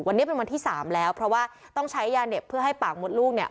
วันนี้เป็นวันที่สามแล้วเพราะว่าต้องใช้ยาเห็บเพื่อให้ปากมดลูกเนี่ย